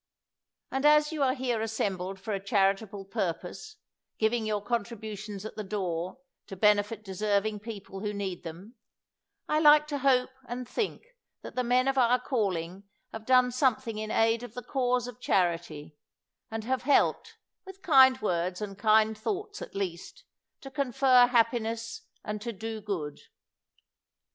And as you are here assembled for a charitable purpose, giving your contributions at the door to benefit deserving people who need them, I like to hope and think that the men of our call ing have done something in aid of the cause of charity, and have helped, with kind words and kind thoughts at least, to confer happiness and to do good.